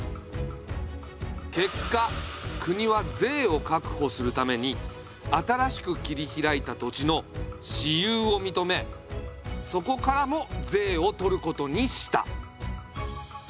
結果国は税を確保するために新しく切り開いた土地の私有を認めそこからも税をとることにした。